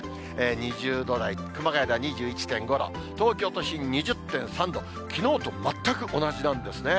２０度台、熊谷では２１．５度、東京都心２０．３度、きのうと全く同じなんですね。